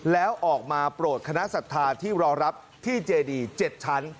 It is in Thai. แล้วออกมาโปรดคณะศรัทธาที่รอรับที่เจดี๗ชั้น